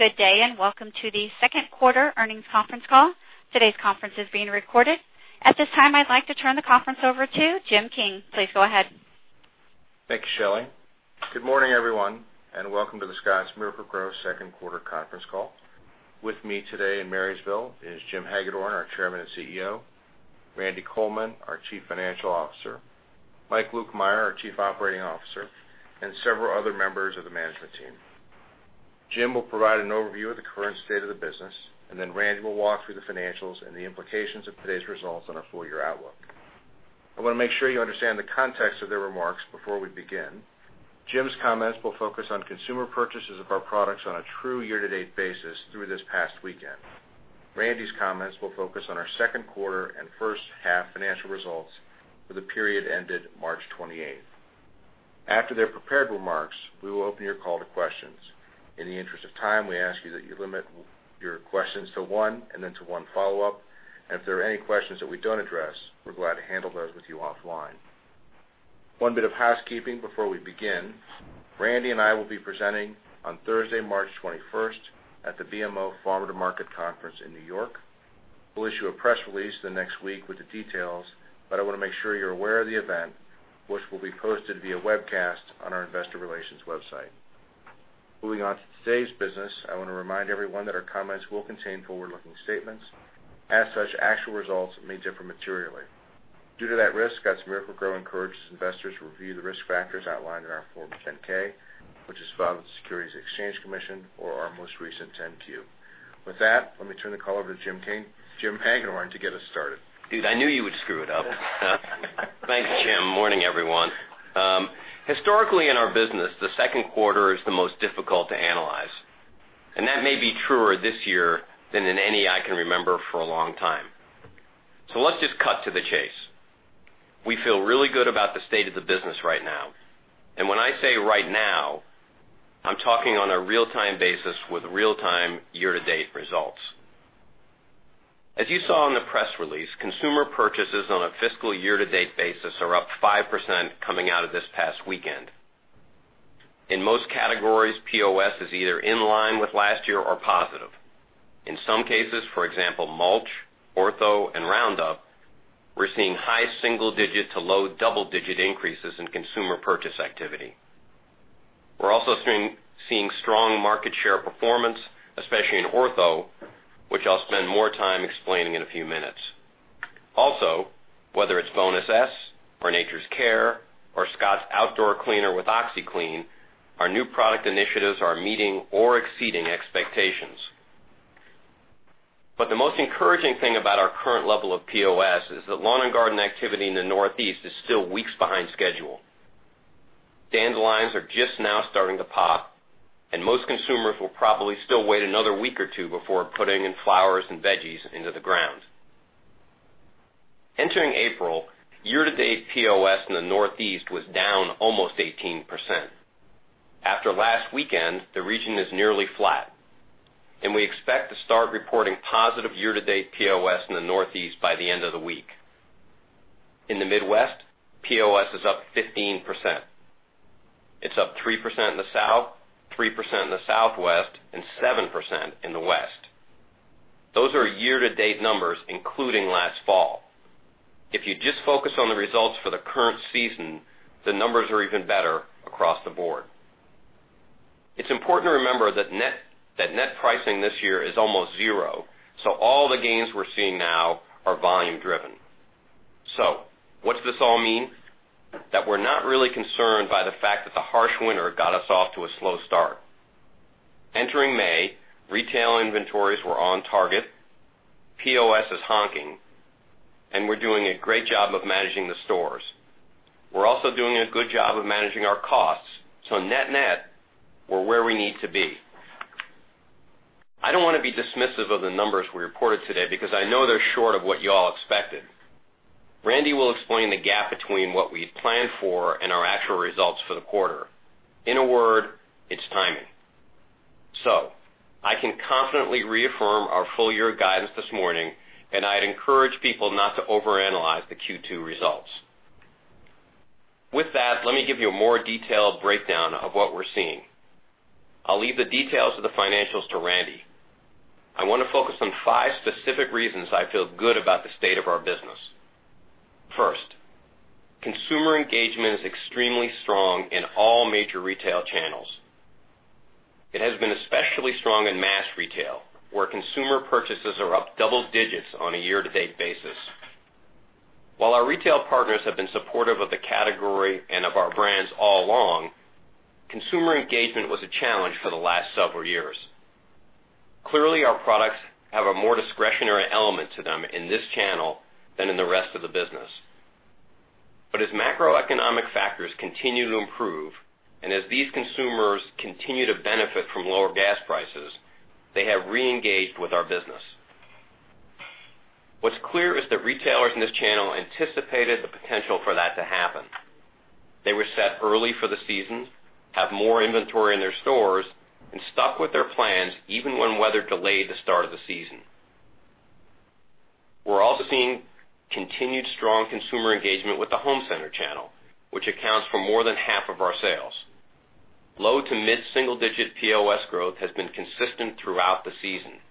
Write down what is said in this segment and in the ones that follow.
Good day, welcome to the second quarter earnings conference call. Today's conference is being recorded. At this time, I'd like to turn the conference over to Jim King. Please go ahead. Thank you, Shelley. Good morning, everyone, welcome to the Scotts Miracle-Gro second quarter conference call. With me today in Marysville is Jim Hagedorn, our Chairman and CEO, Randy Coleman, our Chief Financial Officer, Mike Lukemire, our Chief Operating Officer, and several other members of the management team. Jim will provide an overview of the current state of the business, Randy will walk through the financials and the implications of today's results on our full-year outlook. I want to make sure you understand the context of their remarks before we begin. Jim's comments will focus on consumer purchases of our products on a true year-to-date basis through this past weekend. Randy's comments will focus on our second quarter and first-half financial results for the period ended March 28th. After their prepared remarks, we will open your call to questions. In the interest of time, we ask you that you limit your questions to one, to one follow-up, if there are any questions that we don't address, we're glad to handle those with you offline. One bit of housekeeping before we begin, Randy and I will be presenting on Thursday, March 21st at the BMO Farm to Market Conference in New York. We'll issue a press release in the next week with the details, but I want to make sure you're aware of the event, which will be posted via webcast on our investor relations website. Moving on to today's business, I want to remind everyone that our comments will contain forward-looking statements. As such, actual results may differ materially. Due to that risk, Scotts Miracle-Gro encourages investors to review the risk factors outlined in our Form 10-K, which is filed with the Securities and Exchange Commission, or our most recent 10-Q. With that, let me turn the call over to Jim Hagedorn to get us started. Dude, I knew you would screw it up. Thanks, Jim. Morning, everyone. Historically, in our business, the second quarter is the most difficult to analyze, and that may be truer this year than in any I can remember for a long time. Let's just cut to the chase. We feel really good about the state of the business right now, and when I say right now, I'm talking on a real-time basis with real-time year-to-date results. As you saw in the press release, consumer purchases on a fiscal year-to-date basis are up 5% coming out of this past weekend. In most categories, POS is either in line with last year or positive. In some cases, for example, mulch, Ortho, and Roundup, we're seeing high single-digit to low double-digit increases in consumer purchase activity. We're also seeing strong market share performance, especially in Ortho, which I'll spend more time explaining in a few minutes. Also, whether it's Bonus S or Nature's Care or Scotts Outdoor Cleaner with OxiClean, our new product initiatives are meeting or exceeding expectations. The most encouraging thing about our current level of POS is that lawn and garden activity in the Northeast is still weeks behind schedule. Dandelions are just now starting to pop, and most consumers will probably still wait another week or two before putting in flowers and veggies into the ground. Entering April, year-to-date POS in the Northeast was down almost 18%. After last weekend, the region is nearly flat, and we expect to start reporting positive year-to-date POS in the Northeast by the end of the week. In the Midwest, POS is up 15%. It's up 3% in the South, 3% in the Southwest, and 7% in the West. Those are year-to-date numbers, including last fall. If you just focus on the results for the current season, the numbers are even better across the board. It's important to remember that net pricing this year is almost zero. All the gains we're seeing now are volume driven. What's this all mean? That we're not really concerned by the fact that the harsh winter got us off to a slow start. Entering May, retail inventories were on target, POS is honking, and we're doing a great job of managing the stores. We're also doing a good job of managing our costs. Net-net, we're where we need to be. I don't want to be dismissive of the numbers we reported today because I know they're short of what you all expected. Randy will explain the gap between what we had planned for and our actual results for the quarter. In a word, it's timing. I can confidently reaffirm our full-year guidance this morning, and I'd encourage people not to overanalyze the Q2 results. With that, let me give you a more detailed breakdown of what we're seeing. I'll leave the details of the financials to Randy. I want to focus on five specific reasons I feel good about the state of our business. First, consumer engagement is extremely strong in all major retail channels. It has been especially strong in mass retail, where consumer purchases are up double digits on a year-to-date basis. While our retail partners have been supportive of the category and of our brands all along, consumer engagement was a challenge for the last several years. Clearly, our products have a more discretionary element to them in this channel than in the rest of the business. As macroeconomic factors continue to improve and as these consumers continue to benefit from lower gas prices, they have reengaged with our business. What's clear is that retailers in this channel anticipated the potential for that to happen. They were set early for the season, have more inventory in their stores, and stuck with their plans even when weather delayed the start of the season. We're also seeing continued strong consumer engagement with the home center channel, which accounts for more than half of our sales. Low to mid single-digit POS growth has been consistent throughout the season.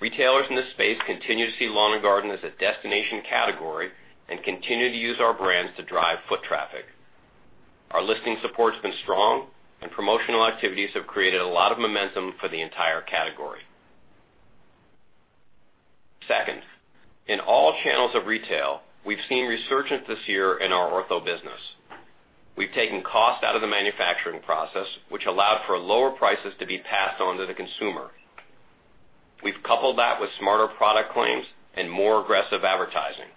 Retailers in this space continue to see lawn and garden as a destination category, and continue to use our brands to drive foot traffic. Our listing support's been strong. Promotional activities have created a lot of momentum for the entire category. Second, in all channels of retail, we've seen resurgence this year in our Ortho business. We've taken cost out of the manufacturing process, which allowed for lower prices to be passed on to the consumer. We've coupled that with smarter product claims and more aggressive advertising.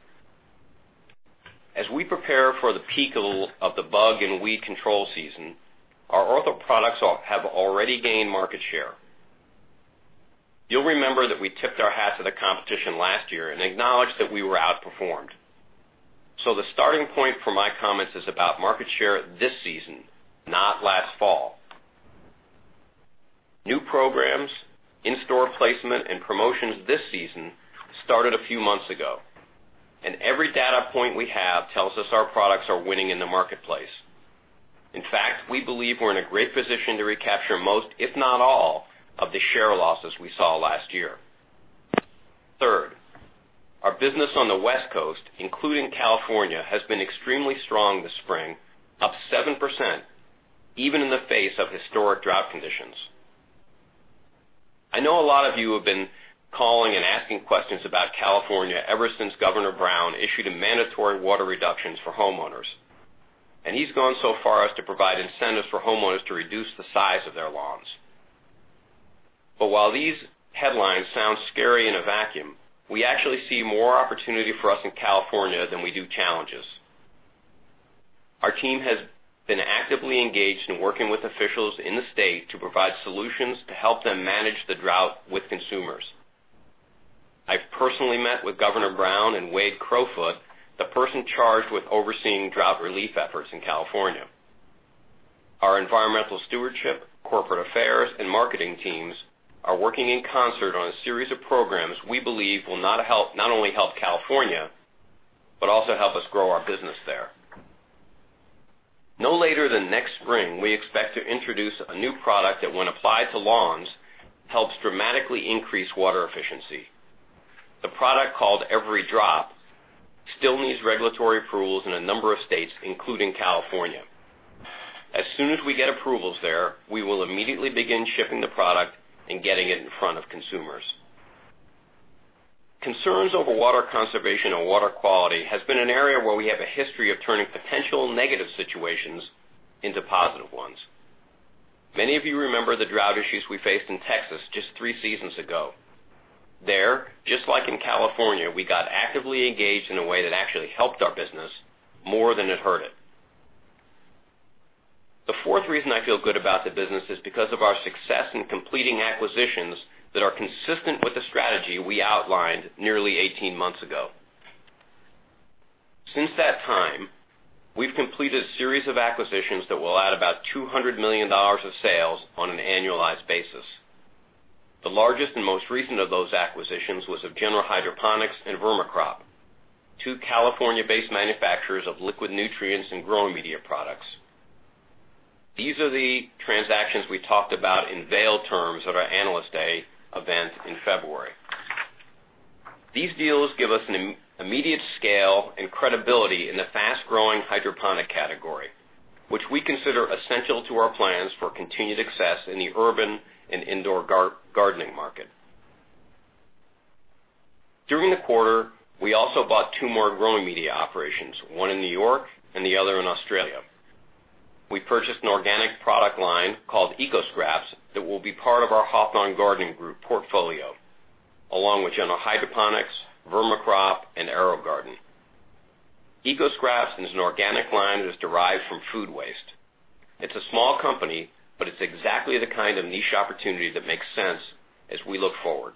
As we prepare for the peak of the bug and weed control season, our Ortho products have already gained market share. You'll remember that we tipped our hat to the competition last year and acknowledged that we were outperformed. The starting point for my comments is about market share this season, not last fall. New programs, in-store placement, and promotions this season started a few months ago, and every data point we have tells us our products are winning in the marketplace. In fact, we believe we're in a great position to recapture most, if not all, of the share losses we saw last year. Third, our business on the West Coast, including California, has been extremely strong this spring, up 7%, even in the face of historic drought conditions. I know a lot of you have been calling and asking questions about California ever since Governor Brown issued a mandatory water reductions for homeowners. He's gone so far as to provide incentives for homeowners to reduce the size of their lawns. While these headlines sound scary in a vacuum, we actually see more opportunity for us in California than we do challenges. Our team has been actively engaged in working with officials in the state to provide solutions to help them manage the drought with consumers. I've personally met with Governor Brown and Wade Crowfoot, the person charged with overseeing drought relief efforts in California. Our environmental stewardship, corporate affairs, and marketing teams are working in concert on a series of programs we believe will not only help California, but also help us grow our business there. No later than next spring, we expect to introduce a new product that, when applied to lawns, helps dramatically increase water efficiency. The product, called EveryDrop, still needs regulatory approvals in a number of states, including California. As soon as we get approvals there, we will immediately begin shipping the product and getting it in front of consumers. Concerns over water conservation and water quality has been an area where we have a history of turning potential negative situations into positive ones. Many of you remember the drought issues we faced in Texas just three seasons ago. There, just like in California, we got actively engaged in a way that actually helped our business more than it hurt it. The fourth reason I feel good about the business is because of our success in completing acquisitions that are consistent with the strategy we outlined nearly 18 months ago. Since that time, we've completed a series of acquisitions that will add about $200 million of sales on an annualized basis. The largest and most recent of those acquisitions was of General Hydroponics and Vermicrop, two California-based manufacturers of liquid nutrients and growing media products. These are the transactions we talked about in veiled terms at our Analyst Day event in February. These deals give us an immediate scale and credibility in the fast-growing hydroponic category, which we consider essential to our plans for continued success in the urban and indoor gardening market. During the quarter, we also bought two more growing media operations, one in New York and the other in Australia. We purchased an organic product line called EcoScraps that will be part of our Hawthorne Gardening Group portfolio, along with General Hydroponics, Vermicrop, and AeroGarden. EcoScraps is an organic line that is derived from food waste. It's a small company, but it's exactly the kind of niche opportunity that makes sense as we look forward.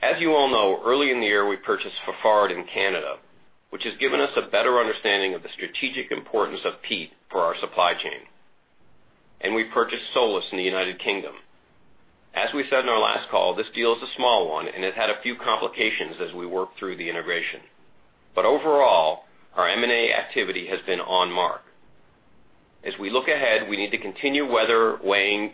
As you all know, early in the year, we purchased Fafard in Canada, which has given us a better understanding of the strategic importance of peat for our supply chain. We purchased Solus in the United Kingdom. As we said in our last call, this deal is a small one, and it had a few complications as we worked through the integration. But overall, our M&A activity has been on mark. As we look ahead, we need to continue weighing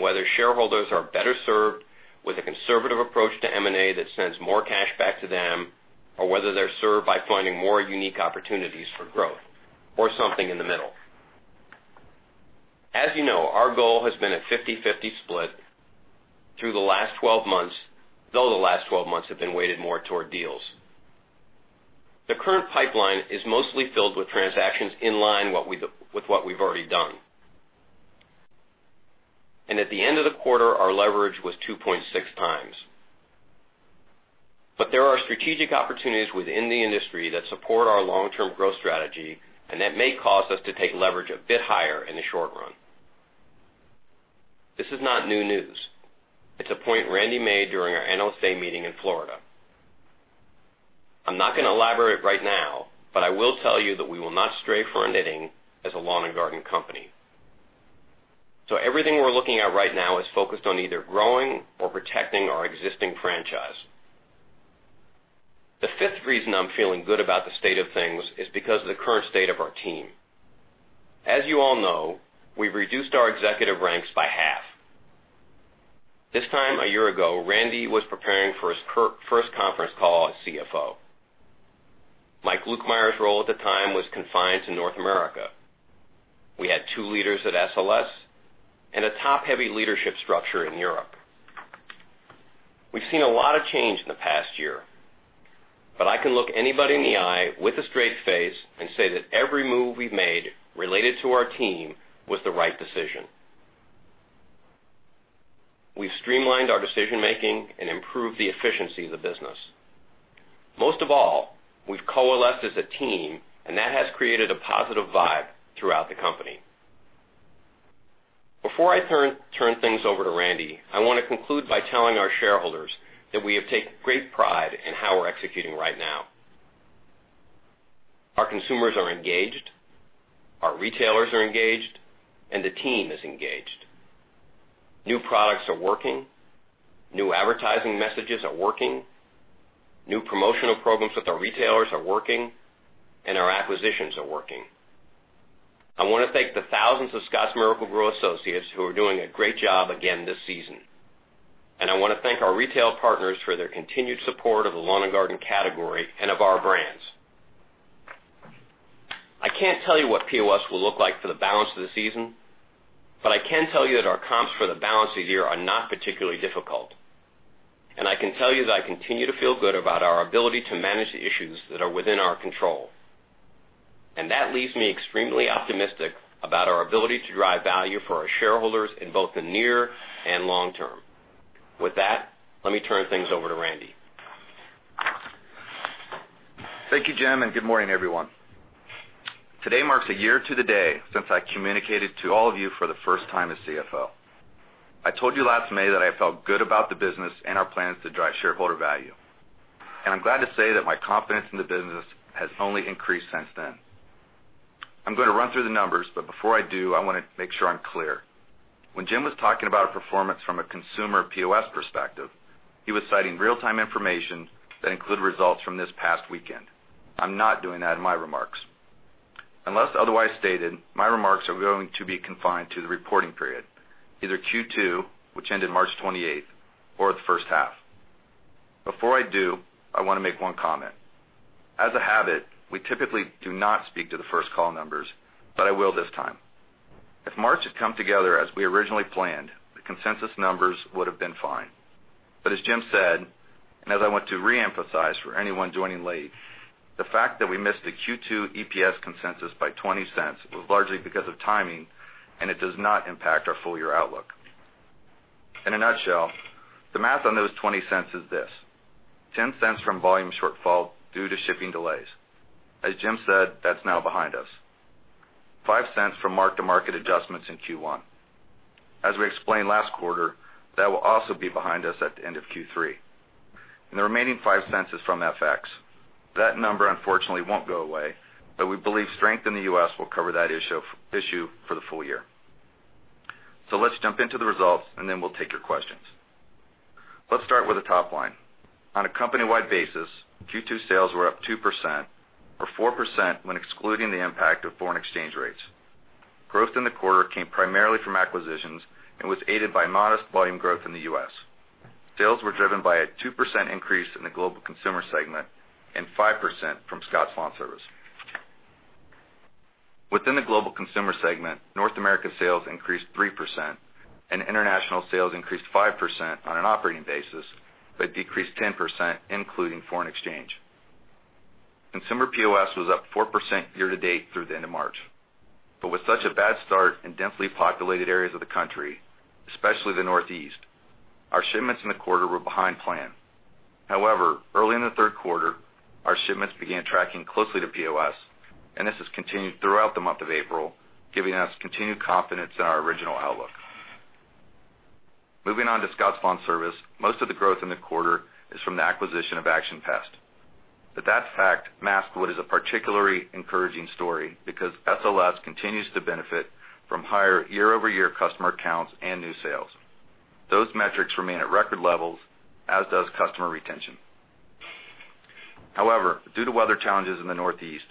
whether shareholders are better served with a conservative approach to M&A that sends more cash back to them, or whether they're served by finding more unique opportunities for growth, or something in the middle. As you know, our goal has been a 50/50 split through the last 12 months, though the last 12 months have been weighted more toward deals. The current pipeline is mostly filled with transactions in line with what we've already done. At the end of the quarter, our leverage was 2.6 times. There are strategic opportunities within the industry that support our long-term growth strategy, and that may cause us to take leverage a bit higher in the short run. This is not new news. It's a point Randy made during our Analyst Day meeting in Florida. I'm not going to elaborate right now, but I will tell you that we will not stray from knitting as a lawn and garden company. Everything we're looking at right now is focused on either growing or protecting our existing franchise. The fifth reason I'm feeling good about the state of things is because of the current state of our team. As you all know, we've reduced our executive ranks by half. This time a year ago, Randy was preparing for his first conference call as CFO. Mike Lukemire's role at the time was confined to North America. We had two leaders at SLS and a top-heavy leadership structure in Europe. We've seen a lot of change in the past year, but I can look anybody in the eye with a straight face and say that every move we've made related to our team was the right decision. We've streamlined our decision-making and improved the efficiency of the business. Most of all, we've coalesced as a team, that has created a positive vibe throughout the company. Before I turn things over to Randy, I want to conclude by telling our shareholders that we have taken great pride in how we're executing right now. Our consumers are engaged, our retailers are engaged, the team is engaged. New products are working, new advertising messages are working, new promotional programs with our retailers are working, our acquisitions are working. I want to thank the thousands of Scotts Miracle-Gro associates who are doing a great job again this season. I want to thank our retail partners for their continued support of the lawn and garden category and of our brands. I can't tell you what POS will look like for the balance of the season, I can tell you that our comps for the balance of the year are not particularly difficult. I can tell you that I continue to feel good about our ability to manage the issues that are within our control. That leaves me extremely optimistic about our ability to drive value for our shareholders in both the near and long term. With that, let me turn things over to Randy. Thank you, Jim, good morning, everyone. Today marks a year to the day since I communicated to all of you for the first time as CFO. I told you last May that I felt good about the business and our plans to drive shareholder value. I'm glad to say that my confidence in the business has only increased since then. I'm going to run through the numbers, but before I do, I want to make sure I'm clear. When Jim was talking about performance from a consumer POS perspective, he was citing real-time information that included results from this past weekend. I'm not doing that in my remarks. Unless otherwise stated, my remarks are going to be confined to the reporting period, either Q2, which ended March 28th, or the first half. Before I do, I want to make one comment. As a habit, we typically do not speak to the first call numbers, I will this time. If March had come together as we originally planned, the consensus numbers would have been fine. As Jim said, as I want to reemphasize for anyone joining late, the fact that we missed the Q2 EPS consensus by $0.20 was largely because of timing, it does not impact our full-year outlook. In a nutshell, the math on those $0.20 is this: $0.10 from volume shortfall due to shipping delays. As Jim said, that's now behind us. $0.05 from mark-to-market adjustments in Q1. As we explained last quarter, that will also be behind us at the end of Q3. The remaining $0.05 is from FX. That number unfortunately won't go away, but we believe strength in the U.S. will cover that issue for the full year. Let's jump into the results and then we'll take your questions. Let's start with the top line. On a company-wide basis, Q2 sales were up 2%, or 4% when excluding the impact of foreign exchange rates. Growth in the quarter came primarily from acquisitions and was aided by modest volume growth in the U.S. Sales were driven by a 2% increase in the global consumer segment and 5% from Scotts LawnService. Within the global consumer segment, North America sales increased 3% and international sales increased 5% on an operating basis, but decreased 10% including foreign exchange. Consumer POS was up 4% year-to-date through the end of March. With such a bad start in densely populated areas of the country, especially the Northeast, our shipments in the quarter were behind plan. However, early in the third quarter, our shipments began tracking closely to POS, and this has continued throughout the month of April, giving us continued confidence in our original outlook. Moving on to Scotts LawnService, most of the growth in the quarter is from the acquisition of Action Pest. That fact masks what is a particularly encouraging story because SLS continues to benefit from higher year-over-year customer counts and new sales. Those metrics remain at record levels, as does customer retention. However, due to weather challenges in the Northeast,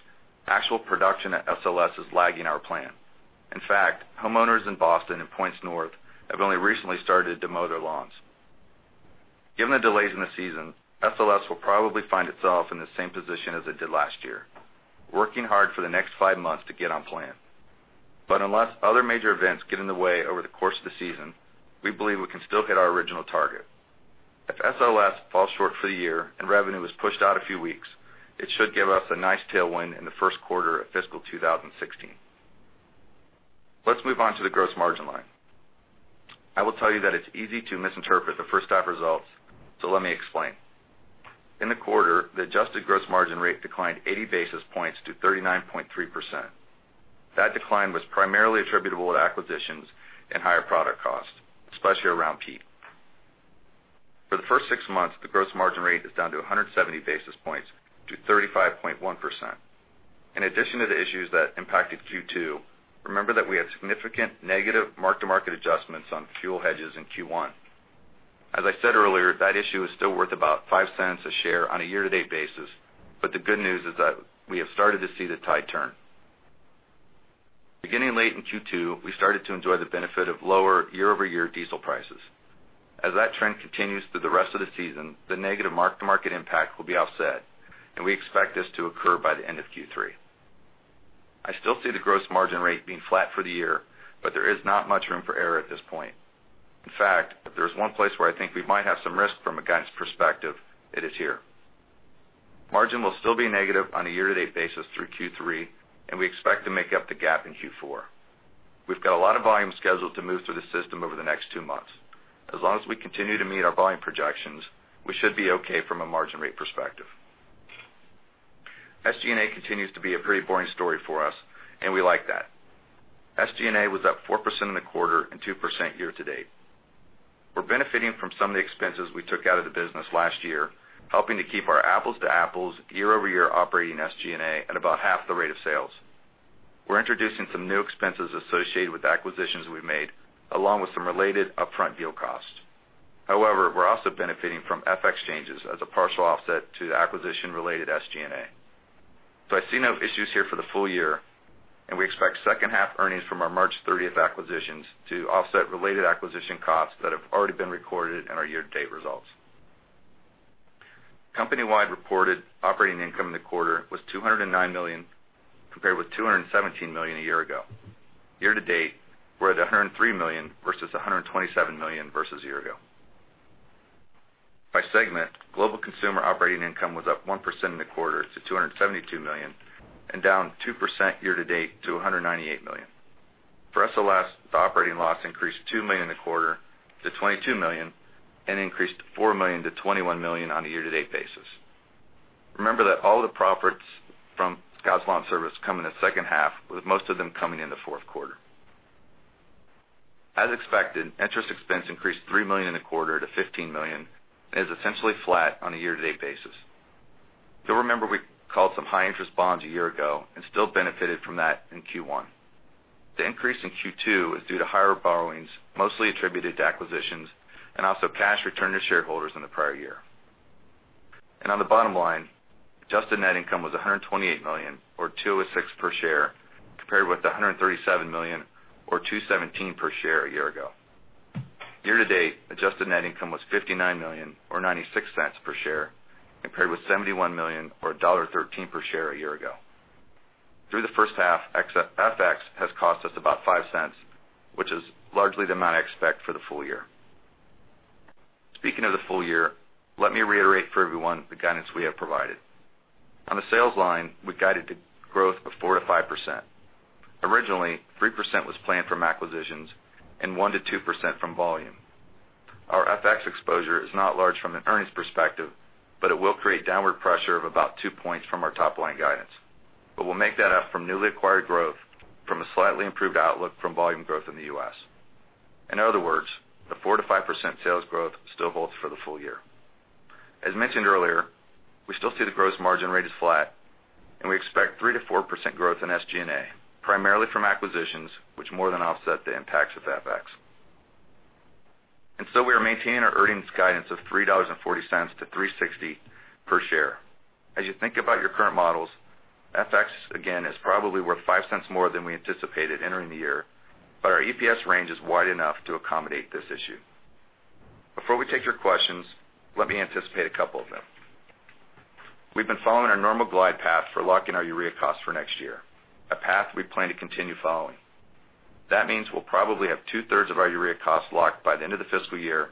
actual production at SLS is lagging our plan. In fact, homeowners in Boston and points north have only recently started to mow their lawns. Given the delays in the season, SLS will probably find itself in the same position as it did last year, working hard for the next five months to get on plan. Unless other major events get in the way over the course of the season, we believe we can still hit our original target. If SLS falls short for the year and revenue is pushed out a few weeks, it should give us a nice tailwind in the first quarter of fiscal 2016. Let's move on to the gross margin line. I will tell you that it's easy to misinterpret the first half results, let me explain. In the quarter, the adjusted gross margin rate declined 80 basis points to 39.3%. That decline was primarily attributable to acquisitions and higher product costs, especially around peat. For the first six months, the gross margin rate is down to 170 basis points to 35.1%. In addition to the issues that impacted Q2, remember that we had significant negative mark-to-market adjustments on fuel hedges in Q1. As I said earlier, that issue is still worth about $0.05 a share on a year-to-date basis, the good news is that we have started to see the tide turn. Beginning late in Q2, we started to enjoy the benefit of lower year-over-year diesel prices. As that trend continues through the rest of the season, the negative mark-to-market impact will be offset, and we expect this to occur by the end of Q3. I still see the gross margin rate being flat for the year, there is not much room for error at this point. In fact, if there's one place where I think we might have some risk from a guidance perspective, it is here. Margin will still be negative on a year-to-date basis through Q3, and we expect to make up the gap in Q4. We've got a lot of volume scheduled to move through the system over the next two months. As long as we continue to meet our volume projections, we should be okay from a margin rate perspective. SG&A continues to be a pretty boring story for us. We like that. SG&A was up 4% in the quarter and 2% year-to-date. We're benefiting from some of the expenses we took out of the business last year, helping to keep our apples-to-apples, year-over-year operating SG&A at about half the rate of sales. We're introducing some new expenses associated with acquisitions we've made, along with some related upfront deal costs. However, we're also benefiting from FX changes as a partial offset to the acquisition-related SG&A. I see no issues here for the full year, and we expect second half earnings from our March 30th acquisitions to offset related acquisition costs that have already been recorded in our year-to-date results. Company-wide reported operating income in the quarter was $209 million, compared with $217 million a year ago. Year-to-date, we're at $103 million versus $127 million versus a year ago. By segment, global consumer operating income was up 1% in the quarter to $272 million and down 2% year-to-date to $198 million. For SLS, the operating loss increased $2 million in the quarter to $22 million and increased $4 million to $21 million on a year-to-date basis. Remember that all the profits from Scotts LawnService come in the second half, with most of them coming in the fourth quarter. As expected, interest expense increased $3 million in the quarter to $15 million and is essentially flat on a year-to-date basis. You'll remember we called some high-interest bonds a year ago and still benefited from that in Q1. The increase in Q2 is due to higher borrowings, mostly attributed to acquisitions and also cash returned to shareholders in the prior year. On the bottom line, adjusted net income was $128 million, or $2.06 per share, compared with the $137 million or $2.17 per share a year ago. Year-to-date, adjusted net income was $59 million, or $0.96 per share, compared with $71 million or $1.13 per share a year ago. Through the first half, FX has cost us about $0.05, which is largely the amount I expect for the full year. Speaking of the full year, let me reiterate for everyone the guidance we have provided. On the sales line, we guided to growth of 4%-5%. Originally, 3% was planned from acquisitions and 1%-2% from volume. Our FX exposure is not large from an earnings perspective, but it will create downward pressure of about two points from our top-line guidance. We'll make that up from newly acquired growth from a slightly improved outlook from volume growth in the U.S. In other words, the 4%-5% sales growth still holds for the full year. As mentioned earlier, we still see the gross margin rate as flat. We expect 3%-4% growth in SG&A, primarily from acquisitions, which more than offset the impacts of FX. We are maintaining our earnings guidance of $3.40 to $3.60 per share. As you think about your current models, FX again is probably worth $0.05 more than we anticipated entering the year, but our EPS range is wide enough to accommodate this issue. Before we take your questions, let me anticipate a couple of them. We've been following our normal glide path for locking our urea costs for next year, a path we plan to continue following. That means we'll probably have two-thirds of our urea costs locked by the end of the fiscal year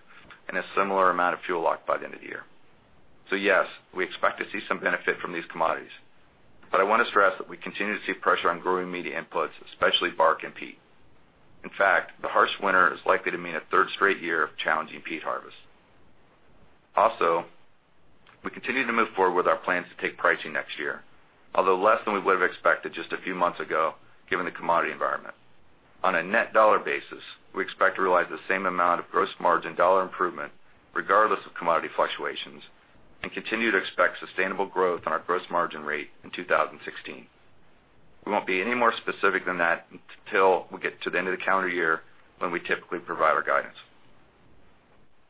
and a similar amount of fuel locked by the end of the year. Yes, we expect to see some benefit from these commodities. I want to stress that we continue to see pressure on growing media inputs, especially bark and peat. In fact, the harsh winter is likely to mean a third straight year of challenging peat harvest. We continue to move forward with our plans to take pricing next year, although less than we would have expected just a few months ago, given the commodity environment. On a net dollar basis, we expect to realize the same amount of gross margin dollar improvement regardless of commodity fluctuations and continue to expect sustainable growth on our gross margin rate in 2016. We won't be any more specific than that until we get to the end of the calendar year when we typically provide our guidance.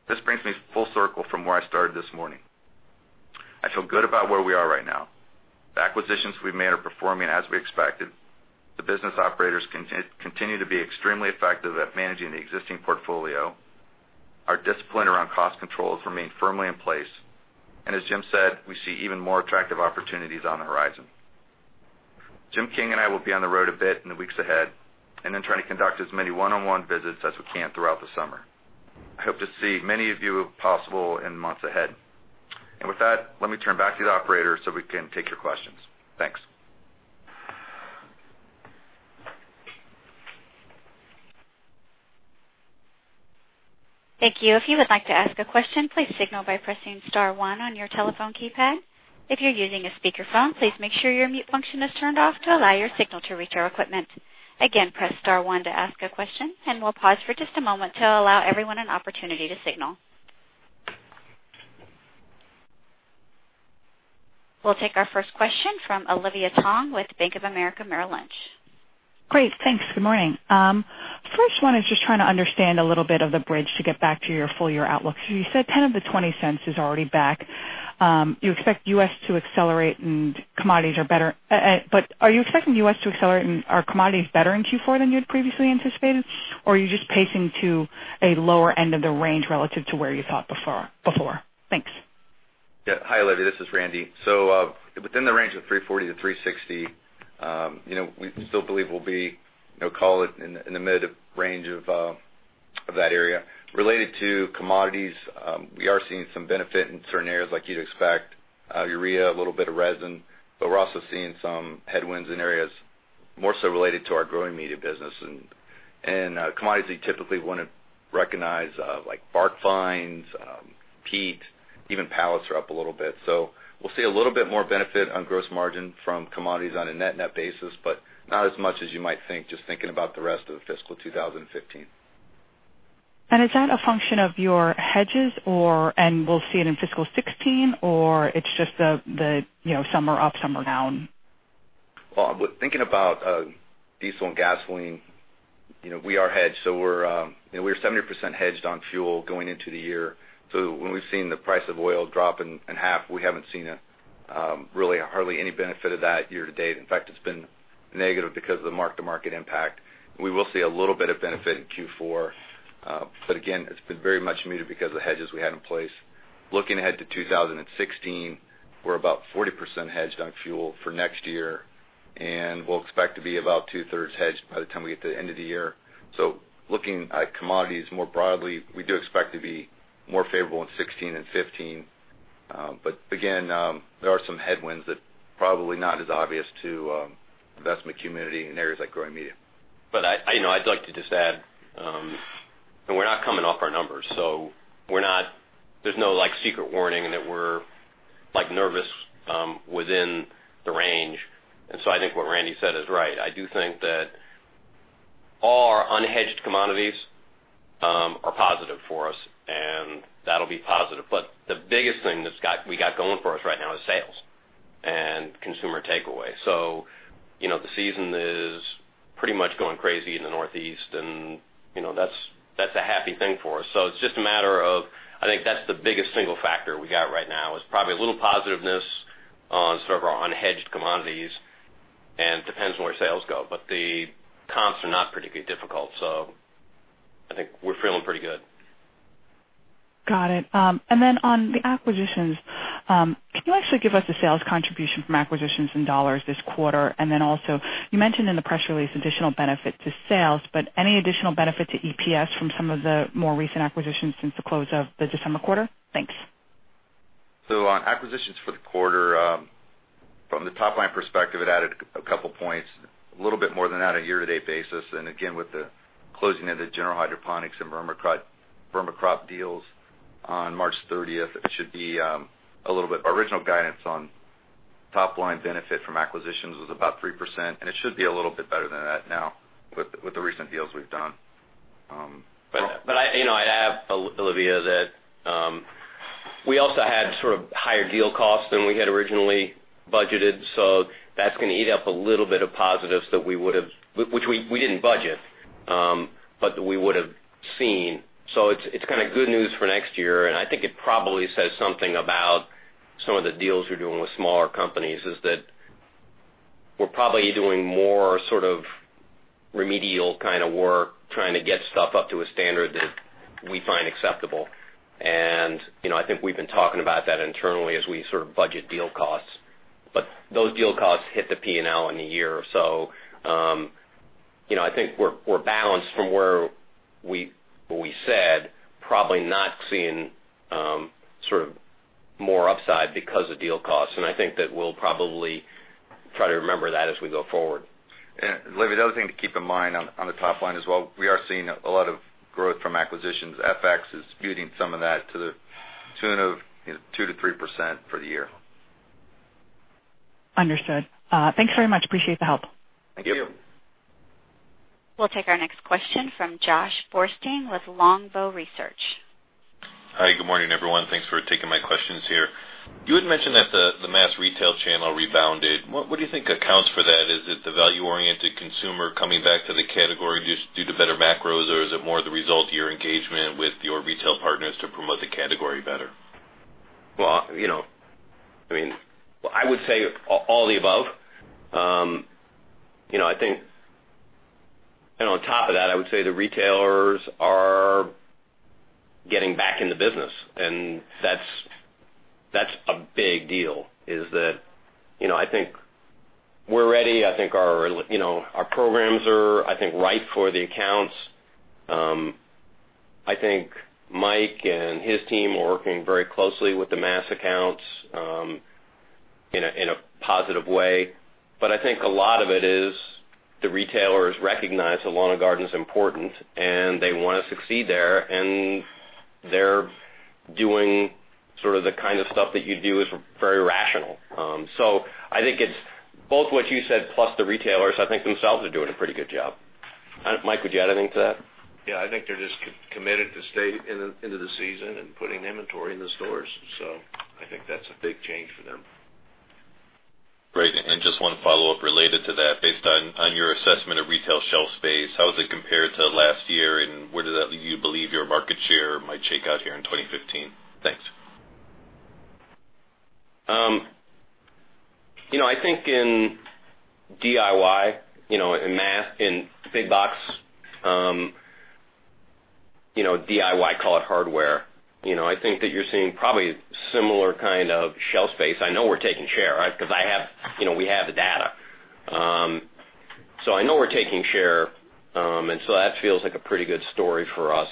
This brings me full circle from where I started this morning. I feel good about where we are right now. The acquisitions we've made are performing as we expected. The business operators continue to be extremely effective at managing the existing portfolio. Our discipline around cost controls remain firmly in place. As Jim said, we see even more attractive opportunities on the horizon. Jim King and I will be on the road a bit in the weeks ahead, trying to conduct as many one-on-one visits as we can throughout the summer. I hope to see many of you if possible in months ahead. With that, let me turn back to the operator so we can take your questions. Thanks. Thank you. If you would like to ask a question, please signal by pressing star one on your telephone keypad. If you're using a speakerphone, please make sure your mute function is turned off to allow your signal to reach our equipment. Again, press star one to ask a question, and we'll pause for just a moment to allow everyone an opportunity to signal. We'll take our first question from Olivia Tong with Bank of America Merrill Lynch. Great. Thanks. Good morning. First one is just trying to understand a little bit of the bridge to get back to your full-year outlook. You said $0.10 of the $0.20 is already back. You expect U.S. to accelerate and commodities are better. Are you expecting U.S. to accelerate and are commodities better in Q4 than you had previously anticipated, or are you just pacing to a lower end of the range relative to where you thought before? Thanks. Yeah. Hi, Olivia. This is Randy. Within the range of $3.40-$3.60, we still believe we'll be, call it in the mid range of that area. Related to commodities, we are seeing some benefit in certain areas like you'd expect. Urea, a little bit of resin. We're also seeing some headwinds in areas more so related to our growing media business and commodities you'd typically want to recognize, like bark fines, peat, even pallets are up a little bit. We'll see a little bit more benefit on gross margin from commodities on a net-net basis, but not as much as you might think, just thinking about the rest of fiscal 2015. Is that a function of your hedges and we'll see it in fiscal 2016, or it's just the some are up, some are down? Well, thinking about diesel and gasoline, we are hedged. We were 70% hedged on fuel going into the year. When we've seen the price of oil drop in half, we haven't seen really hardly any benefit of that year to date. In fact, it's been negative because of the mark-to-market impact. We will see a little bit of benefit in Q4. Again, it's been very much muted because of the hedges we had in place. Looking ahead to 2016, we're about 40% hedged on fuel for next year, and we'll expect to be about two-thirds hedged by the time we get to the end of the year. Looking at commodities more broadly, we do expect to be more favorable in 2016 than 2015. Again, there are some headwinds that probably not as obvious to the investment community in areas like growing media. I'd like to just add, we're not coming off our numbers, so there's no secret warning that we're nervous within the range. I think what Randy Coleman said is right. I do think that our unhedged commodities are positive for us, and that'll be positive. The biggest thing that we got going for us right now is sales and consumer takeaway. The season is pretty much going crazy in the Northeast, and that's a happy thing for us. I think that's the biggest single factor we got right now is probably a little positiveness on some of our unhedged commodities and depends on where sales go. The comps are not particularly difficult, so I think we're feeling pretty good. Got it. Then on the acquisitions, can you actually give us a sales contribution from acquisitions in dollars this quarter? Then also, you mentioned in the press release additional benefit to EPS from some of the more recent acquisitions since the close of the December quarter? Thanks. On acquisitions for the quarter, from the top-line perspective, it added a couple points, a little bit more than that on a year-to-date basis. Again, with the closing of the General Hydroponics and Vermicrop deals on March 30th, our original guidance on top-line benefit from acquisitions was about 3%, and it should be a little bit better than that now with the recent deals we've done. I'd add, Olivia, that we also had sort of higher deal costs than we had originally budgeted. That's going to eat up a little bit of positives which we didn't budget, but that we would've seen. It's kind of good news for next year, and I think it probably says something about some of the deals we're doing with smaller companies, is that we're probably doing more sort of remedial kind of work, trying to get stuff up to a standard that we find acceptable. I think we've been talking about that internally as we sort of budget deal costs. Those deal costs hit the P&L in a year. I think we're balanced from what we said, probably not seeing sort of more upside because of deal costs, and I think that we'll probably try to remember that as we go forward. Olivia, the other thing to keep in mind on the top line as well, we are seeing a lot of growth from acquisitions. FX is [puting] some of that to the tune of 2% to 3% for the year. Understood. Thanks very much. Appreciate the help. Thank you. We'll take our next question from Joshua Borstein with Longbow Research. Hi. Good morning, everyone. Thanks for taking my questions here. You had mentioned that the mass retail channel rebounded. What do you think accounts for that? Is it the value-oriented consumer coming back to the category just due to better macros, or is it more the result of your engagement with your retail partners to promote the category better? Well, I would say all of the above. On top of that, I would say the retailers are getting back in the business, and that's a big deal, is that I think we're ready. I think our programs are, I think, ripe for the accounts. I think Mike and his team are working very closely with the mass accounts. In a positive way. I think a lot of it is the retailers recognize that lawn and garden is important and they want to succeed there, and they're doing sort of the kind of stuff that you do, is very rational. I think it's both what you said, plus the retailers, I think themselves, are doing a pretty good job. Mike, would you add anything to that? Yeah. I think they're just committed to stay into the season and putting inventory in the stores. I think that's a big change for them. Great. Just one follow-up related to that. Based on your assessment of retail shelf space, how does it compare to last year and where do you believe your market share might shake out here in 2015? Thanks. I think in DIY, in mass, in big box, DIY, call it hardware, I think that you're seeing probably similar kind of shelf space. I know we're taking share, because we have the data. I know we're taking share, that feels like a pretty good story for us.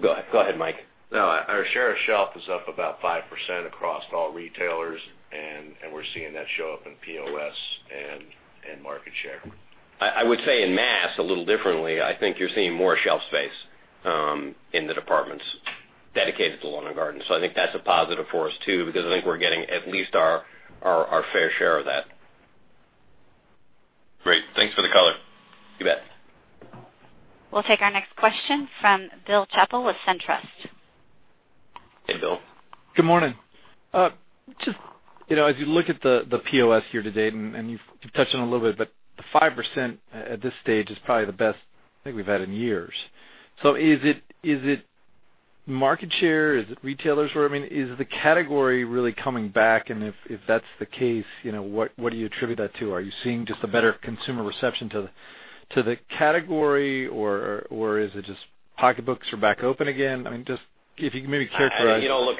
Go ahead, Mike. No, our share of shelf is up about 5% across all retailers, we're seeing that show up in POS and market share. I would say in mass, a little differently, I think you're seeing more shelf space in the departments dedicated to lawn and garden. I think that's a positive for us, too, because I think we're getting at least our fair share of that. Great. Thanks for the color. You bet. We'll take our next question from William Chappell with SunTrust. Hey, Bill. Good morning. Just as you look at the POS year-to-date, and you've touched on it a little bit, but the 5% at this stage is probably the best I think we've had in years. Is it market share? Is it retailers? What I mean, is the category really coming back, and if that's the case, what do you attribute that to? Are you seeing just a better consumer reception to the category, or is it just pocketbooks are back open again? I mean, just if you could maybe characterize- Look,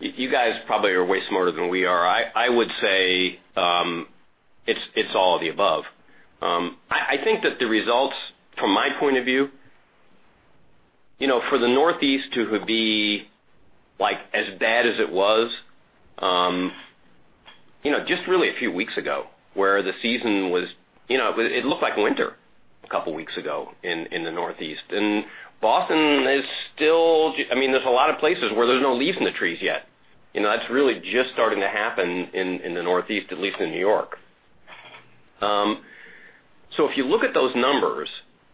you guys probably are way smarter than we are. I would say it's all of the above. I think that the results, from my point of view, for the Northeast to be as bad as it was, just really a few weeks ago. It looked like winter a couple of weeks ago in the Northeast. There's a lot of places where there's no leaves in the trees yet. That's really just starting to happen in the Northeast, at least in New York. If you look at those numbers,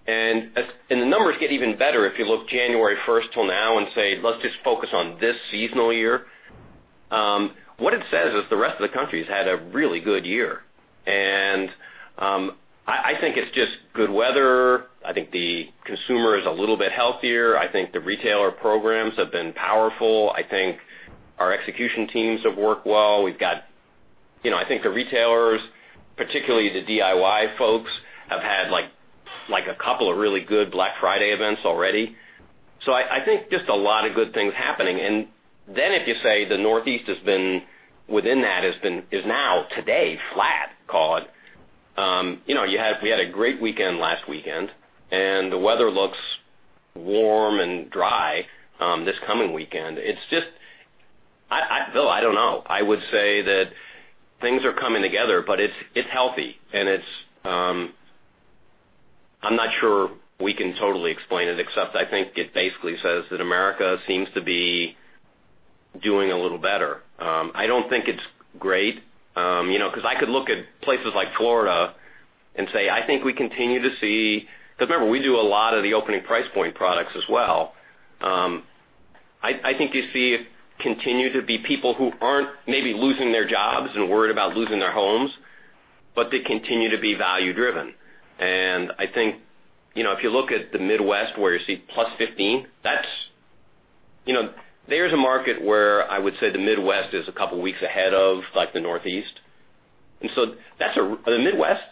the numbers get even better if you look January 1st till now and say, "Let's just focus on this seasonal year." What it says is the rest of the country's had a really good year. I think it's just good weather. I think the consumer is a little bit healthier. I think the retailer programs have been powerful. I think our execution teams have worked well. I think the retailers, particularly the DIY folks, have had a couple of really good Black Friday events already. I think just a lot of good things happening. If you say the Northeast within that is now, today, flat call it. We had a great weekend last weekend, and the weather looks warm and dry this coming weekend. Bill, I don't know. I would say that things are coming together, but it's healthy and I'm not sure we can totally explain it, except I think it basically says that America seems to be doing a little better. I don't think it's great, because I could look at places like Florida and say, Because remember, we do a lot of the opening price point products as well. I think you see continue to be people who aren't maybe losing their jobs and worried about losing their homes, but they continue to be value-driven. I think, if you look at the Midwest where you see +15, there's a market where I would say the Midwest is a couple of weeks ahead of the Northeast. The Midwest,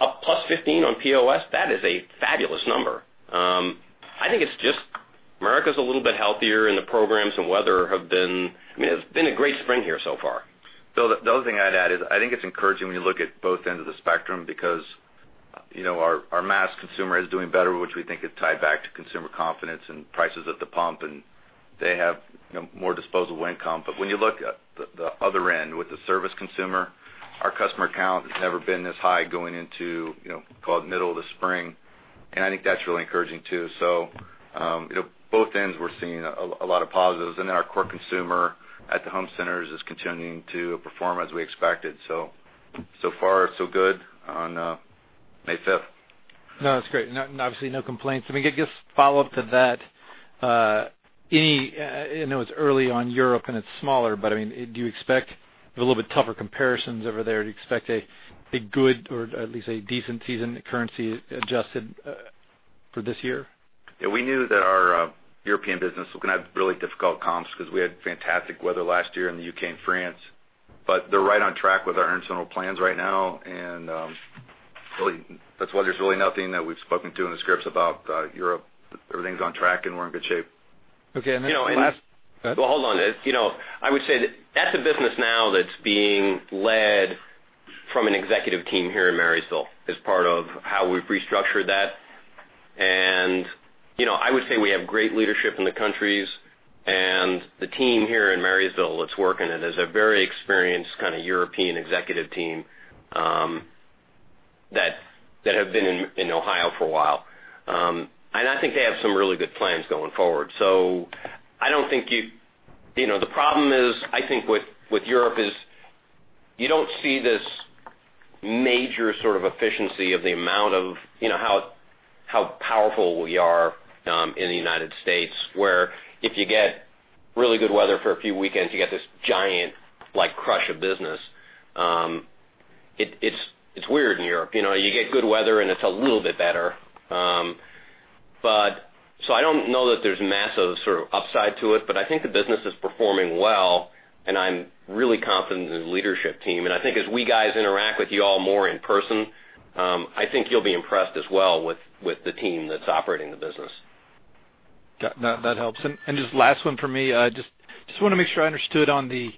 up +15 on POS? That is a fabulous number. I think it's just America's a little bit healthier. It's been a great spring here so far. Bill, the other thing I'd add is I think it's encouraging when you look at both ends of the spectrum because our mass consumer is doing better, which we think is tied back to consumer confidence and prices at the pump, and they have more disposable income. When you look at the other end with the service consumer, our customer count has never been this high going into call it middle of the spring. I think that's really encouraging, too. Both ends we're seeing a lot of positives, our core consumer at the home centers is continuing to perform as we expected. So far, so good on May 5th. No, that's great, and obviously no complaints. Just follow-up to that. I know it's early on Europe and it's smaller, do you expect a little bit tougher comparisons over there? Do you expect a good or at least a decent season currency adjusted for this year? Yeah, we knew that our European business was going to have really difficult comps because we had fantastic weather last year in the U.K. and France, they're right on track with our internal plans right now, that's why there's really nothing that we've spoken to in the scripts about Europe. Everything's on track, we're in good shape. Okay, last- Well, hold on. I would say that that's a business now that's being led from an executive team here in Marysville as part of how we've restructured that. I would say we have great leadership in the countries and the team here in Marysville that's working it is a very experienced kind of European executive team that have been in Ohio for a while. I think they have some really good plans going forward. I don't think the problem is, I think, with Europe is you don't see this major sort of efficiency of the amount of how powerful we are in the United States, where if you get really good weather for a few weekends, you get this giant crush of business. It's weird in Europe. You get good weather, it's a little bit better. I don't know that there's massive sort of upside to it, but I think the business is performing well, and I'm really confident in the leadership team. I think as we guys interact with you all more in person, I think you'll be impressed as well with the team that's operating the business. That helps. Just last one for me. Just want to make sure I understood on the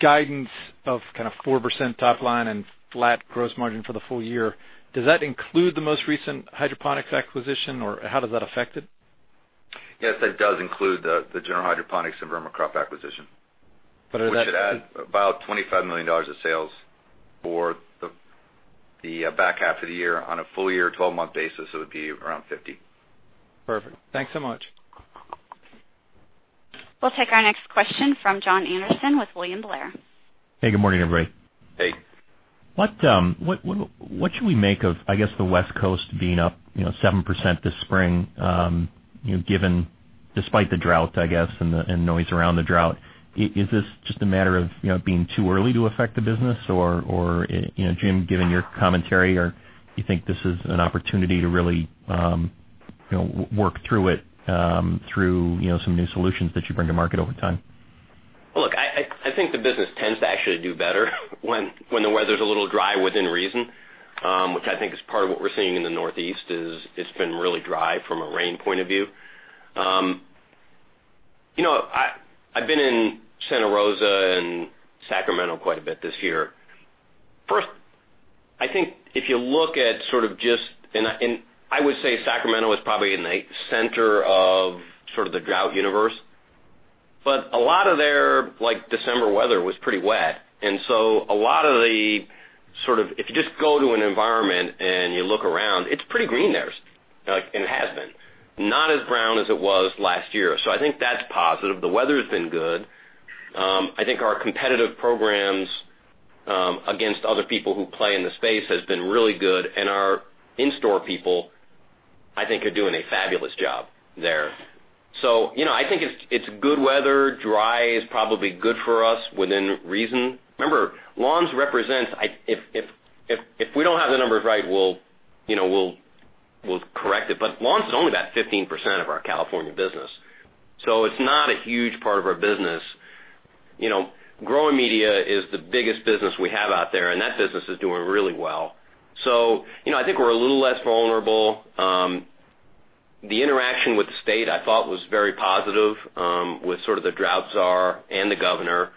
guidance of kind of 4% top line and flat gross margin for the full year. Does that include the most recent hydroponics acquisition, or how does that affect it? Yes, that does include the General Hydroponics and Vermicrop acquisition. Is that- Which should add about $25 million of sales for the back half of the year. On a full year, 12-month basis, it would be around $50 million. Perfect. Thanks so much. We'll take our next question from Jon Andersen with William Blair. Hey, good morning, everybody. Hey. What should we make of the West Coast being up 7% this spring despite the drought, I guess, and the noise around the drought? Is this just a matter of being too early to affect the business or, Jim, given your commentary, or you think this is an opportunity to really work through it through some new solutions that you bring to market over time? Look, I think the business tends to actually do better when the weather's a little dry within reason, which I think is part of what we're seeing in the Northeast is it's been really dry from a rain point of view. I've been in Santa Rosa and Sacramento quite a bit this year. First, I think if you look at sort of just, I would say Sacramento is probably in the center of sort of the drought universe. A lot of their December weather was pretty wet. A lot of the sort of, if you just go to an environment and you look around, it's pretty green there, and it has been. Not as brown as it was last year. I think that's positive. The weather's been good. I think our competitive programs against other people who play in the space has been really good, and our in-store people, I think, are doing a fabulous job there. I think it's good weather. Dry is probably good for us within reason. Remember, lawns, if we don't have the numbers right, we'll correct it. Lawns is only about 15% of our California business. It's not a huge part of our business. Growing media is the biggest business we have out there, and that business is doing really well. I think we're a little less vulnerable. The interaction with the state, I thought, was very positive with sort of the drought czar and the Governor.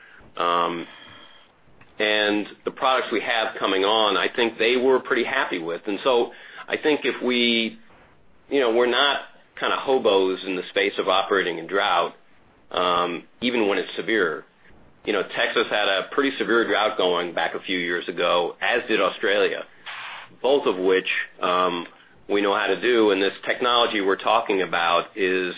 The products we have coming on, I think they were pretty happy with. I think we're not kind of hobos in the space of operating in drought even when it's severe. Texas had a pretty severe drought going back a few years ago, as did Australia, both of which we know how to do. This technology we're talking about is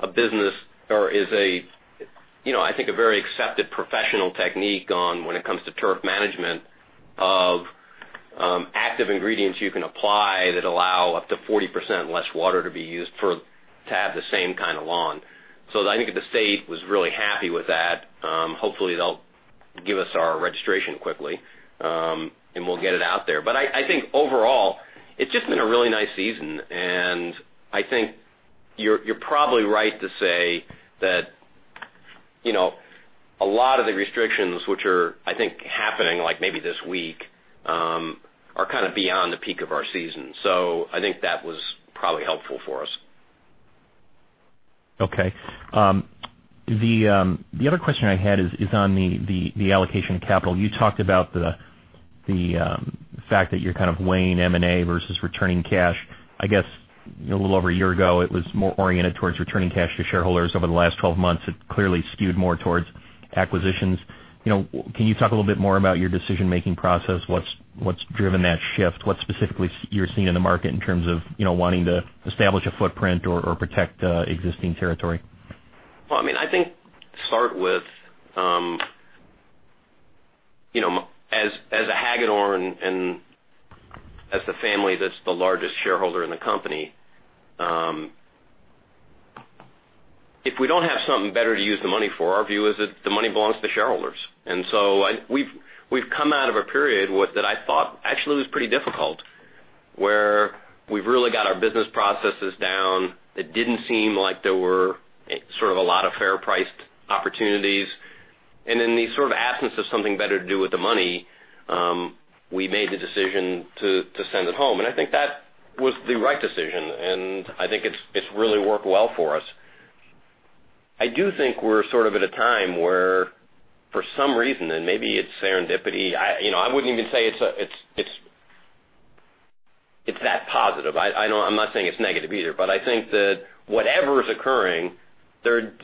a business or is, I think, a very accepted professional technique when it comes to turf management of active ingredients you can apply that allow up to 40% less water to be used to have the same kind of lawn. I think the state was really happy with that. Hopefully, they'll give us our registration quickly, and we'll get it out there. I think overall, it's just been a really nice season, and I think you're probably right to say that a lot of the restrictions, which are, I think, happening like maybe this week, are kind of beyond the peak of our season. I think that was probably helpful for us. Okay. The other question I had is on the allocation of capital. You talked about the fact that you're kind of weighing M&A versus returning cash. I guess a little over a year ago, it was more oriented towards returning cash to shareholders over the last 12 months. It clearly skewed more towards acquisitions. Can you talk a little bit more about your decision-making process? What's driven that shift? What specifically you're seeing in the market in terms of wanting to establish a footprint or protect existing territory? Well, I think to start with as a Hagedorn and as the family that's the largest shareholder in the company, if we don't have something better to use the money for, our view is that the money belongs to shareholders. We've come out of a period that I thought actually was pretty difficult, where we've really got our business processes down. It didn't seem like there were sort of a lot of fair priced opportunities. In the sort of absence of something better to do with the money, we made the decision to send it home. I think that was the right decision, and I think it's really worked well for us. I do think we're sort of at a time where, for some reason, and maybe it's serendipity, I wouldn't even say it's that positive. I'm not saying it's negative either, I think that whatever is occurring, there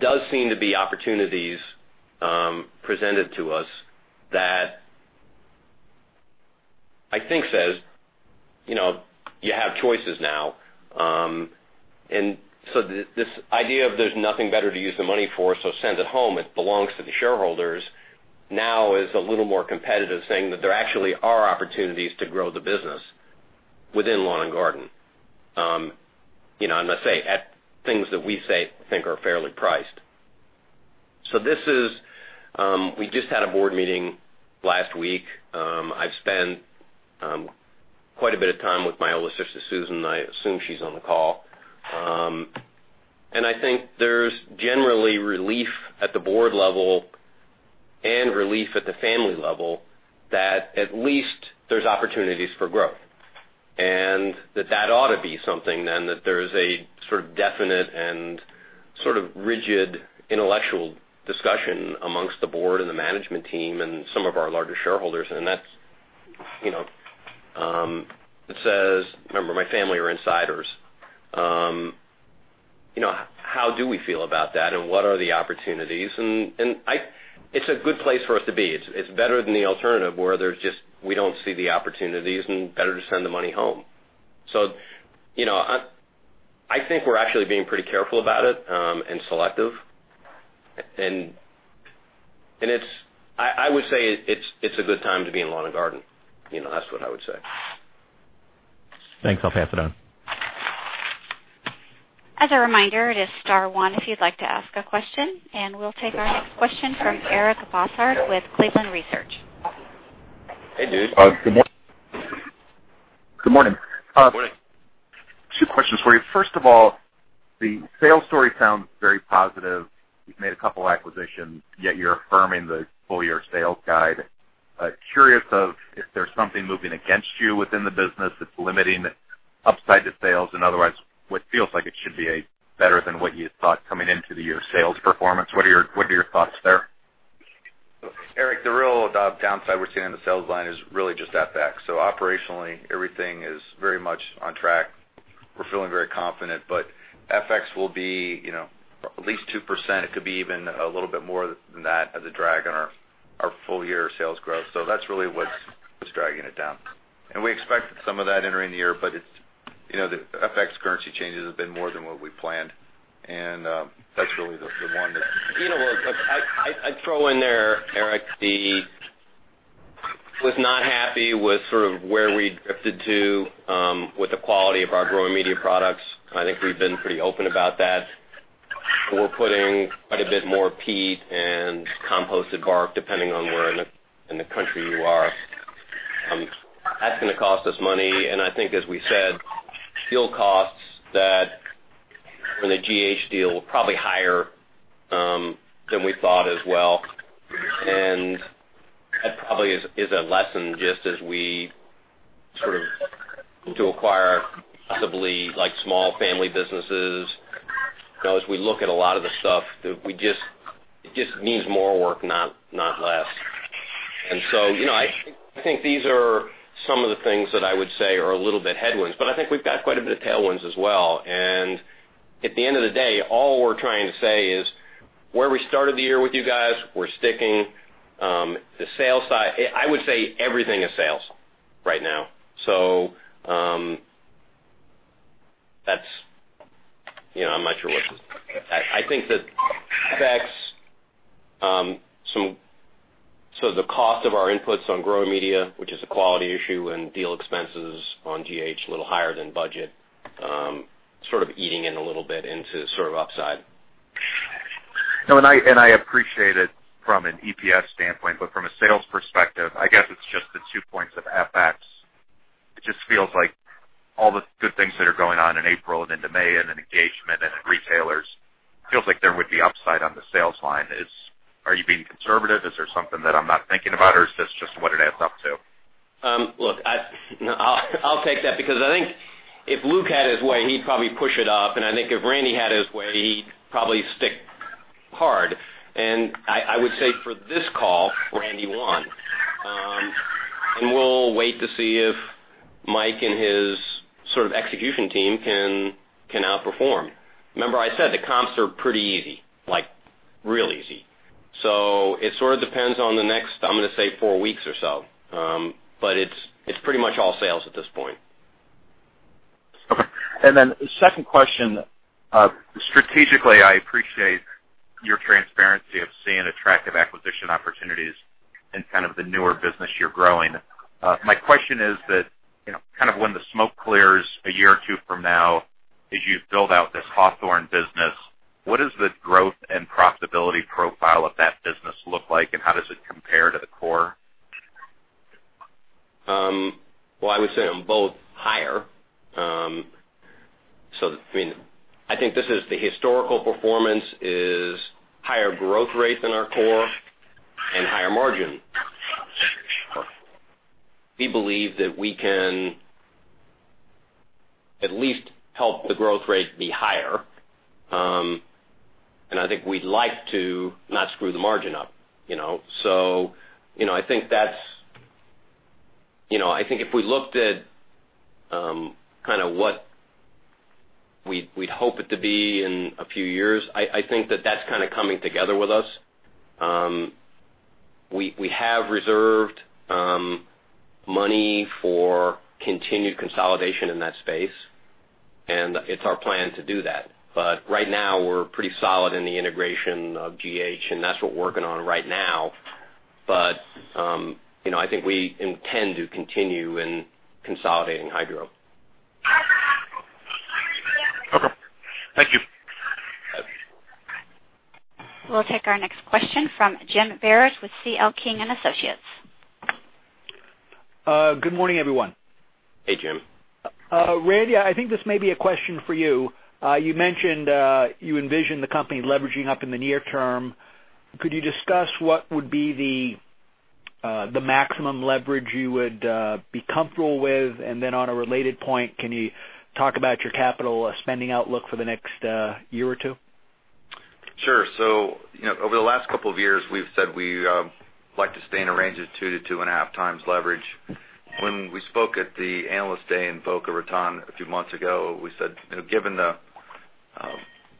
does seem to be opportunities presented to us that I think says, you have choices now. This idea of there's nothing better to use the money for, send it home, it belongs to the shareholders, now is a little more competitive saying that there actually are opportunities to grow the business within lawn and garden. Let's say, at things that we say think are fairly priced. We just had a board meeting last week. I've spent quite a bit of time with my oldest sister, Susan, I assume she's on the call. I think there's generally relief at the board level and relief at the family level that at least there's opportunities for growth, and that that ought to be something then that there's a sort of definite and sort of rigid intellectual discussion amongst the board and the management team and some of our larger shareholders. That says, remember, my family are insiders. How do we feel about that and what are the opportunities? It's a good place for us to be. It's better than the alternative where we don't see the opportunities and better to send the money home. I think we're actually being pretty careful about it, and selective. I would say it's a good time to be in lawn and garden. That's what I would say. Thanks. I'll pass it on. As a reminder, it is star one if you'd like to ask a question, and we'll take our next question from Eric Bosshard with Cleveland Research. Hey, dude. Good morning. Good morning. Two questions for you. First of all, the sales story sounds very positive. You've made a couple acquisitions, yet you're affirming the full-year sales guide. Curious of if there's something moving against you within the business that's limiting upside to sales and otherwise what feels like it should be a better than what you had thought coming into the year sales performance. What are your thoughts there? Eric, the real downside we're seeing on the sales line is really just FX. Operationally, everything is very much on track. We're feeling very confident, but FX will be at least 2%. It could be even a little bit more than that as a drag on our full-year sales growth. That's really what's dragging it down. We expected some of that entering the year, but the FX currency changes have been more than what we planned, and that's really the one that. Look, I'd throw in there, Eric, was not happy with sort of where we drifted to with the quality of our growing media products. I think we've been pretty open about that. We're putting quite a bit more peat and composted bark, depending on where in the country you are. That's going to cost us money, and I think as we said, fuel costs that from the GH deal were probably higher than we thought as well. That probably is a lesson just as we sort of acquire possibly small family businesses. As we look at a lot of the stuff, it just needs more work, not less. So, I think these are some of the things that I would say are a little bit headwinds, but I think we've got quite a bit of tailwinds as well. At the end of the day, all we're trying to say is where we started the year with you guys, we're sticking. The sales side, I would say everything is sales right now. I think that affects some of the cost of our inputs on growing media, which is a quality issue, and deal expenses on GH, a little higher than budget, sort of eating in a little bit into sort of upside. No, I appreciate it from an EPS standpoint, but from a sales perspective, I guess it's just the 2 points of FX. It just feels like all the good things that are going on in April and into May and engagement and then retailers, feels like there would be upside on the sales line. Are you being conservative? Is there something that I'm not thinking about, or is this just what it adds up to? Look, I'll take that because I think if Luke had his way, he'd probably push it up, and I think if Randy had his way, he'd probably stick hard. I would say for this call, Randy won. We'll wait to see if Mike and his sort of execution team can outperform. Remember I said the comps are pretty easy, like real easy. It sort of depends on the next, I'm going to say 4 weeks or so. It's pretty much all sales at this point. Okay. Second question. Strategically, I appreciate your transparency of seeing attractive acquisition opportunities in kind of the newer business you're growing. My question is that, kind of when the smoke clears a year or two from now, as you build out this Hawthorne business, what does the growth and profitability profile of that business look like, and how does it compare to the core? Well, I would say on both higher. I think this is the historical performance is higher growth rate than our core and higher margin. We believe that we can at least help the growth rate be higher. I think we'd like to not screw the margin up. I think if we looked at what we'd hope it to be in a few years, I think that that's coming together with us. We have reserved money for continued consolidation in that space, and it's our plan to do that. Right now, we're pretty solid in the integration of GH, and that's what we're working on right now. I think we intend to continue in consolidating hydroponics. Okay. Thank you. Okay. We'll take our next question from Jim Barrett with C.L. King & Associates. Good morning, everyone. Hey, Jim. Randy, I think this may be a question for you. You mentioned you envision The Scotts Miracle-Gro Company leveraging up in the near term. Could you discuss what would be the maximum leverage you would be comfortable with? Then on a related point, can you talk about your capital spending outlook for the next year or two? Sure. Over the last couple of years, we've said we like to stay in a range of two to two and a half times leverage. When we spoke at the Analyst Day in Boca Raton a few months ago, we said, given the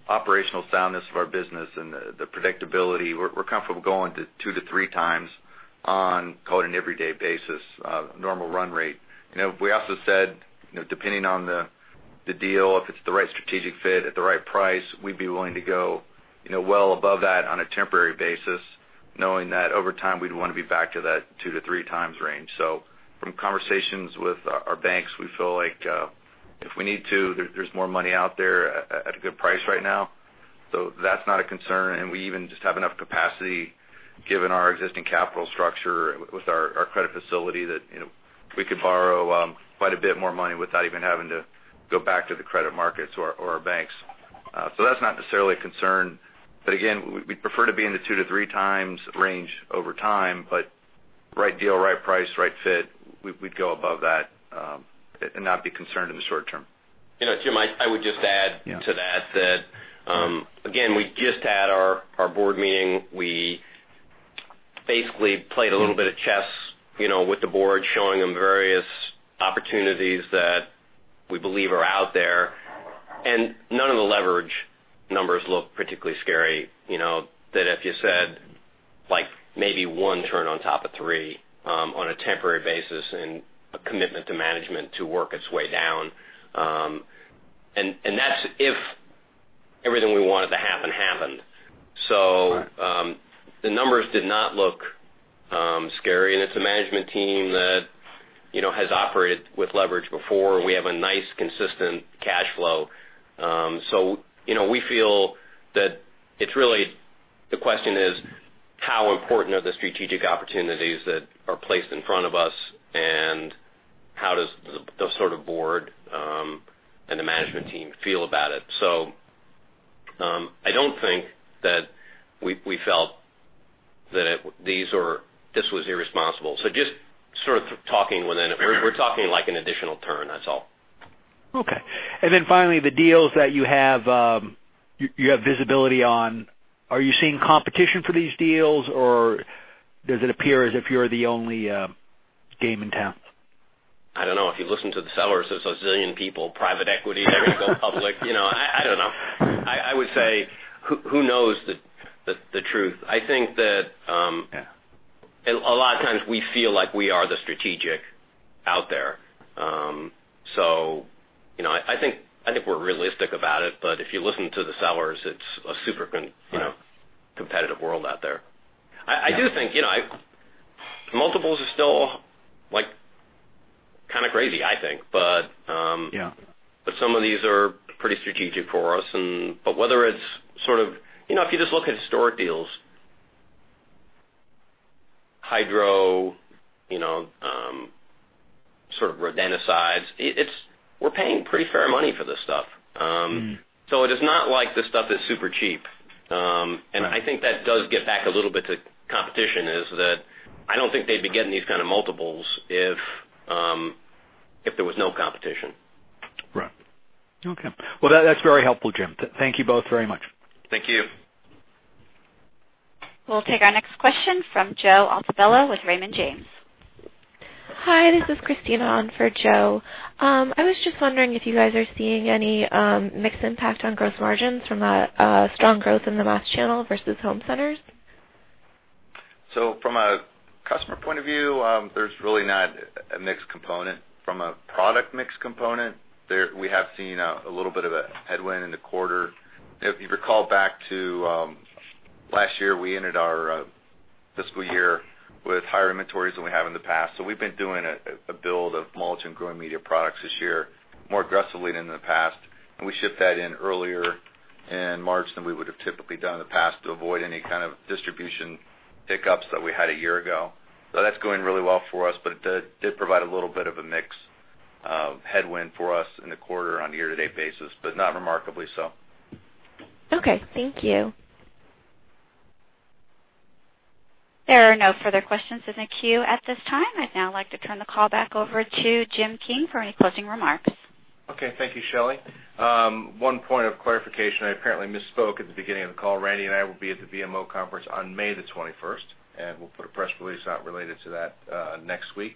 operational soundness of our business and the predictability, we're comfortable going to two to three times on call it an everyday basis, normal run rate. We also said, depending on the deal, if it's the right strategic fit at the right price, we'd be willing to go well above that on a temporary basis, knowing that over time, we'd want to be back to that two to three times range. From conversations with our banks, we feel like if we need to, there's more money out there at a good price right now. That's not a concern, we even just have enough capacity, given our existing capital structure with our credit facility, that we could borrow quite a bit more money without even having to go back to the credit markets or our banks. That's not necessarily a concern. Again, we'd prefer to be in the two to three times range over time, but right deal, right price, right fit, we'd go above that and not be concerned in the short term. Jim, I would just add to that again, we just had our board meeting. We basically played a little bit of chess with the board, showing them various opportunities that we believe are out there. None of the leverage numbers look particularly scary, that if you said maybe one turn on top of three on a temporary basis and a commitment to management to work its way down. That's if everything we wanted to happen happened. Right The numbers did not look scary, it's a management team that has operated with leverage before, we have a nice, consistent cash flow. We feel that it's really the question is, how important are the strategic opportunities that are placed in front of us, and how does the sort of board and the management team feel about it? I don't think that we felt that this was irresponsible. We're talking like an additional turn, that's all. Okay. Finally, the deals that you have visibility on. Are you seeing competition for these deals, or does it appear as if you're the only game in town? I don't know. If you listen to the sellers, there's a zillion people, private equity, they're going to go public. I don't know. I would say, who knows the truth? I think that. Yeah A lot of times we feel like we are the strategic out there. I think we're realistic about it, but if you listen to the sellers, it's a super competitive world out there. I do think multiples are still kind of crazy, I think. Yeah Some of these are pretty strategic for us and whether it's sort of if you just look at historic deals, hydroponics, sort of Roundup aside, we're paying pretty fair money for this stuff. It is not like the stuff is super cheap. I think that does get back a little bit to competition is that I don't think they'd be getting these kind of multiples if there was no competition. Right. Okay. Well, that's very helpful, Jim. Thank you both very much. Thank you. We'll take our next question from Joseph Altobello with Raymond James. Hi, this is Christina on for Joe. I was just wondering if you guys are seeing any mixed impact on gross margins from a strong growth in the mass channel versus home centers. From a customer point of view, there's really not a mixed component. From a product mix component, we have seen a little bit of a headwind in the quarter. If you recall back to last year, we ended our fiscal year with higher inventories than we have in the past. We've been doing a build of mulch and growing media products this year more aggressively than in the past, we shipped that in earlier in March than we would have typically done in the past to avoid any kind of distribution hiccups that we had a year ago. That's going really well for us, it did provide a little bit of a mix of headwind for us in the quarter on a year-to-date basis, but not remarkably so. Okay. Thank you. There are no further questions in the queue at this time. I'd now like to turn the call back over to Jim King for any closing remarks. Okay. Thank you, Shelley. One point of clarification. I apparently misspoke at the beginning of the call. Randy and I will be at the BMO conference on May the 21st, we'll put a press release out related to that next week.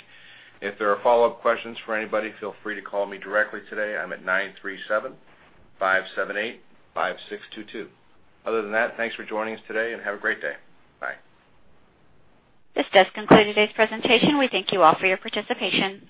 If there are follow-up questions for anybody, feel free to call me directly today. I'm at 937-578-5622. Other than that, thanks for joining us today, have a great day. Bye. This does conclude today's presentation. We thank you all for your participation.